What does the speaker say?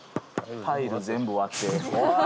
「タイル全部割って」おい！